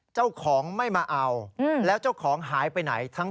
เจ้าของไม่มาเอาแล้วเจ้าของหายไปไหน